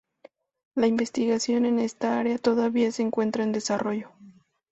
La investigación en esta área todavía se encuentra en desarrollo.